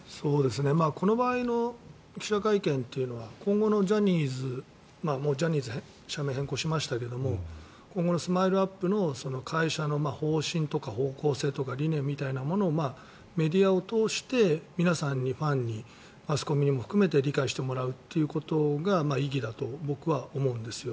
この場合の記者会見っていうのは今後のジャニーズもう社名変更しましたけど今後のＳＭＩＬＥ−ＵＰ．の会社の方針とか方向性とか理念みたいなものをメディアを通して皆さんに、ファンにマスコミにも含めて理解してもらうということが意義だと僕は思うんです。